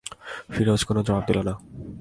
ফিরোজ কোনো জবাব দিল না।